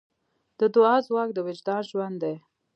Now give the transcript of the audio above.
د دعا ځواک د وجدان ژوند دی.